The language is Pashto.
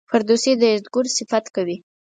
فردوسي د یزدګُرد صفت کوي.